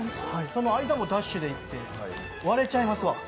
その間もダッシュで行って、割れちゃいますわ。